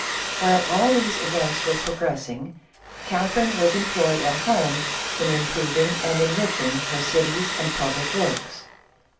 While all these events were progressing, Catherine was employed at home in improving and enriching her cities and public works.